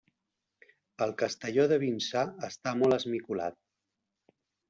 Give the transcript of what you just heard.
El Castelló de Vinçà està molt esmicolat.